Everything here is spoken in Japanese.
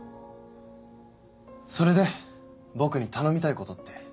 それで僕に頼みたいことって？